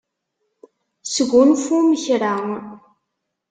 Sgunfum kra.